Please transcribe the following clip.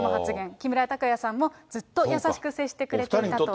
木村拓哉さんもずっと優しく接してくれていたと。